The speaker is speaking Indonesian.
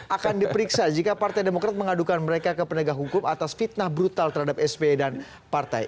akan diperiksa jika partai demokrat mengadukan mereka ke penegak hukum atas fitnah brutal terhadap sbe dan partai